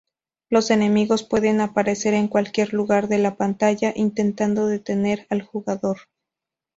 Los enemigos pueden aparecer en cualquier lugar de la pantalla, intentando detener al jugador.